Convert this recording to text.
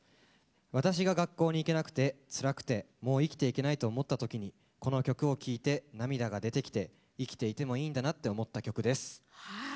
「私が学校に行けなくてつらくてもう生きていけないと思ったときにこの曲を聴いて涙が出てきて生きていてもいいんだなと思った曲です」。